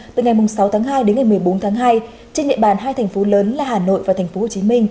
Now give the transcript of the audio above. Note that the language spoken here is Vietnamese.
từ ngày sáu tháng hai đến ngày một mươi bốn tháng hai trên địa bàn hai thành phố lớn là hà nội và tp hcm